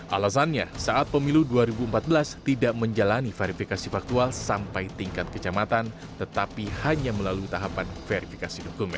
alasannya saat pemilu dua ribu empat belas tidak menjalani verifikasi faktual sampai tingkat kecamatan tetapi hanya melalui tahapan verifikasi dokumen